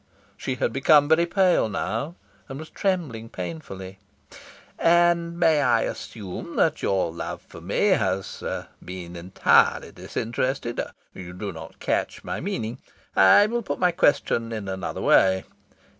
She had become very pale now, and was trembling painfully. "And may I assume that your love for me has been entirely disinterested?... You do not catch my meaning? I will put my question in another way.